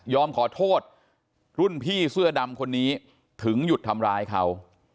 ขอโทษรุ่นพี่เสื้อดำคนนี้ถึงหยุดทำร้ายเขา